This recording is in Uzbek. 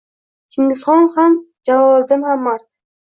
Chingizxon ham, Jaloliddin ham mard.